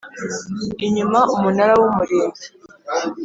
Inyuma umunara w umurinzi